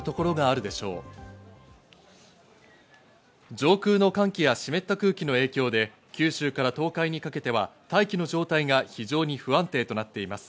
上空の寒気や湿った空気の影響で九州から東海にかけては大気の状態が非常に不安定となっています。